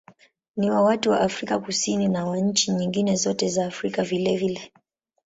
Ni wa watu wa Afrika Kusini na wa nchi nyingine zote za Afrika vilevile.